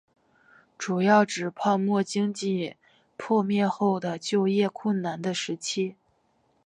主要指泡沫经济破灭后的就业困难的时期。